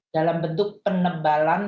dalam bentuk penebalan